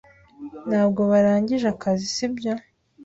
Ntabwo barangije akazi, sibyo?